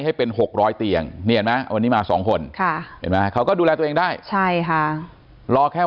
ให้เป็น๖๐๐เตียงวันนี้มา๒คนเขาก็ดูแลตัวเองได้ใช่ค่ะรอแค่